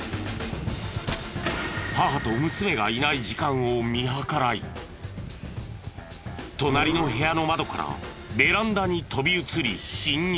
母と娘がいない時間を見計らい隣の部屋の窓からベランダに飛び移り侵入。